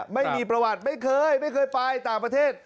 ไม่มีประวัติไม่เคยไม่เคยไปต่างประเทศ